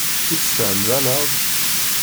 I tesfehmeḍ-aneɣ-d?